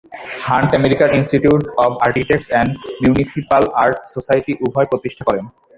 Hunt American Institute of Architects এবং Municipal Art Society উভয়ই প্রতিষ্ঠা করেন।